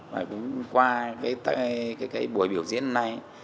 và cũng qua cái buổi biểu diễn hôm nay